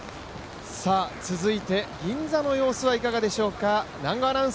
続いて、銀座の様子はいかがでしょうか。